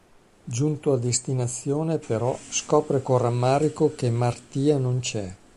Giunto a destinazione, però, scopre con rammarico che Martia non c'è.